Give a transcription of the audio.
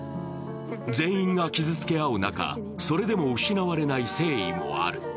全員が傷つけ合う中、それでも失われない誠意もある。